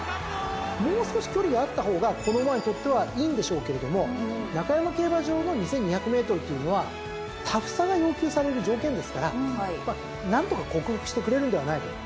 もう少し距離があった方がこの馬にとってはいいんでしょうけれども中山競馬場の２，２００ｍというのはタフさが要求される条件ですからまあ何とか克服してくれるんではないかと。